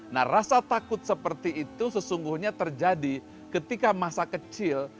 nah rasa takut seperti itu sesungguhnya terjadi ketika masa kecil